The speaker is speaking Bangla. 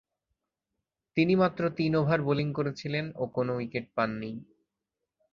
তিনি মাত্র তিন ওভার বোলিং করেছিলেন ও কোন উইকেট পাননি।